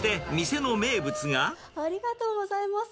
ありがとうございます。